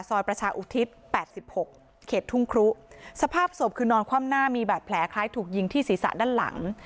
ซอยประชาอุทิศ๘๖เขตทุ่งครุสภาพศพคือนอนคว่ำหน้ามีบาดแผลคล้ายถูกยิงที่ศีรษะด้านหลัง